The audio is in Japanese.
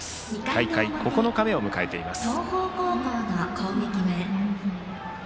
大会９日目を迎えています。